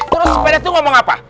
terus sepeda itu ngomong apa